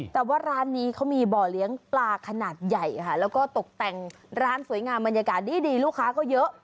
แต่ว่าร้านนี้เขามีบ่อเลี้ยงปลาขนาดใหญ่ค่ะแล้วก็ตกแต่งร้านสวยงามบรรยากาศดีลูกค้าก็เยอะ